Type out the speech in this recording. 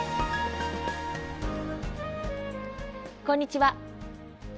こんにちは。